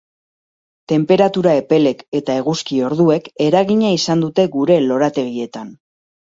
Tenperatura epelek eta eguzki orduek, eragina izan dute gure lorategietan.